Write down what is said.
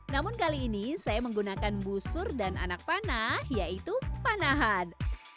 namun kali ini saya menggunakan busur dan anak panah yaitu panahan